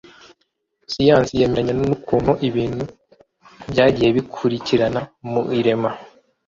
siyansi yemeranya n ukuntu ibintu byagiye bikurikirana mu irema